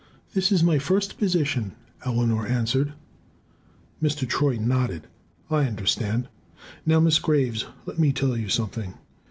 "This is my first position," Eleanor answered. Mr. Troy nodded. "I understand. Now, Miss Graves, let me tell you something.